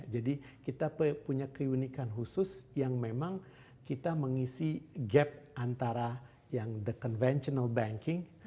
jadi kita punya keunikan khusus yang memang kita mengisi gap antara yang the conventional banking